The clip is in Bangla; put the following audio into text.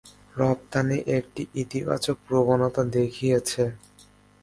রপ্তানি একটি ইতিবাচক প্রবণতা দেখিয়েছে।